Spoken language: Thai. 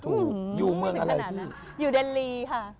อื้อไม่ถึงขนาดนั้นอ่ะอยู่เดนลีค่ะ